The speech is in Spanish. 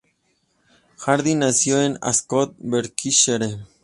Harding nació en Ascot Berkshire.